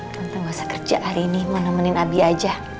tante gak usah kerja hari ini menemenin abi aja